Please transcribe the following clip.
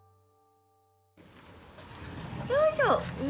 よいしょ